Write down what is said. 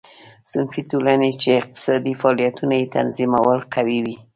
صنفي ټولنې چې اقتصادي فعالیتونه یې تنظیمول قوي وې.